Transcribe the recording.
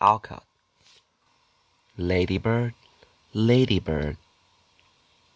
171 LADYBIRD! LADYBIRD!